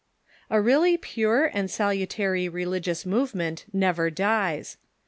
] A REALLY pure and salutary religious movement never dies.